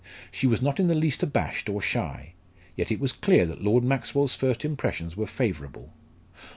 She was not in the least abashed or shy. Yet it was clear that Lord Maxwell's first impressions were favourable.